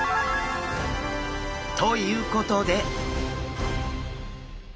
ということで。